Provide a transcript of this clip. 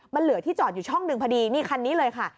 มันเหลือที่จอดอยู่ช่องหนึ่งพอดีนี่คันนี้เลยค่ะ